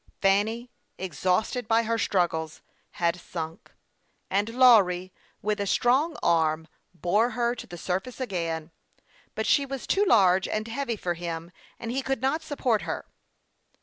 Fanny, exhausted by her struggles, had sunk, and Lawry, with a strong arm, bore her to the surface again ; but she was too large and heavy for him, and he could not support her.